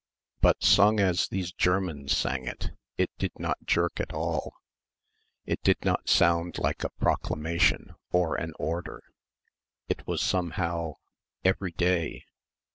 But sung as these Germans sang it, it did not jerk at all. It did not sound like a "proclamation" or an order. It was ... somehow ... everyday.